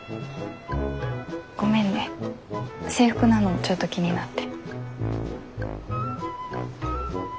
ごめんね制服なのちょっと気になって。